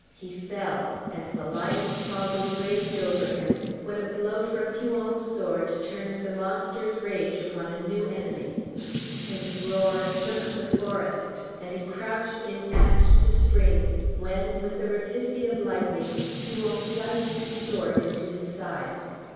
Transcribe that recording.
He fell, and the lion's paw was raised over him, when a blow from Huon's sword turned the monster's rage upon a new enemy. His roar shook the forest, and he crouched in act to spring, when, with the rapidity of lightning, Huon plunged his sword into his side.